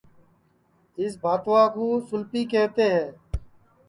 اِس بھاتوا کُو سُولپی کیہوتے ہے